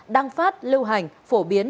đăng phát lưu hành phổ biến